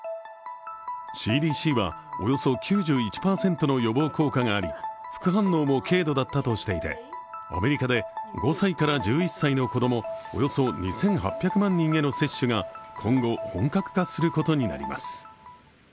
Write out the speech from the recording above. ＣＤＣは、およそ９１％の予防効果があり副反応も軽度だったとしていて、アメリカで５歳から１１歳の子供、およそ２８００万人への接種が今後、本格化することになります。